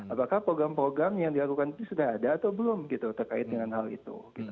apakah program program yang dilakukan itu sudah ada atau belum gitu terkait dengan hal itu